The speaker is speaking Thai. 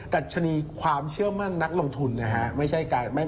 ดัชนีความเชื่อมั่นนักลงทุนนะฮะ